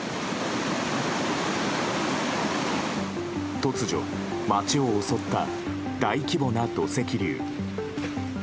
突如、街を襲った大規模な土石流。